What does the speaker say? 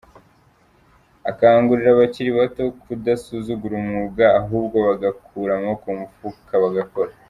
Akangurira abakiri bato kudasuzugura umwuga, ahubwo bagakura amoboko mu mufuka bagakora.